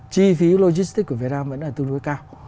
chi phí logistics của việt nam vẫn là tương đối cao